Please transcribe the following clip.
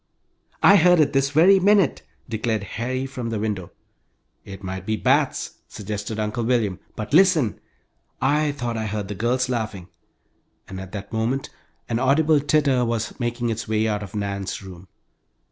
"I heard it this very minute!" declared Harry, from the window. "It might be bats!" suggested Uncle William. "But listen! I thought I heard the girls laughing," and at that moment an audible titter was making its way out of Nan's room!